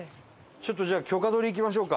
ちょっとじゃあ許可取り行きましょうか。